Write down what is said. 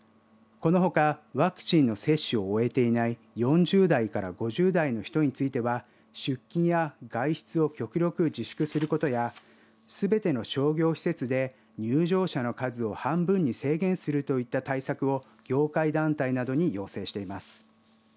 このほかワクチンの接種を終えていない４０代から５０代の人については出勤や外出を極力自粛することやすべての商業施設で入場者の数を半分に制限するといった対策を業界団体などに要請しています。